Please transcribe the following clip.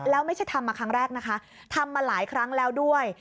แล้วไม่ใช่ทำมาครั้งแรกนะคะทำมาหลายครั้งแล้วด้วย